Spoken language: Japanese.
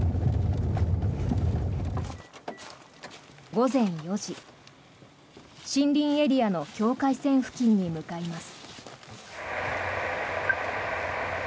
午前４時、森林エリアの境界線付近に向かいます。